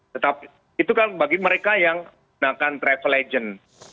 tetapi itu kan bagi mereka yang menggunakan travel agent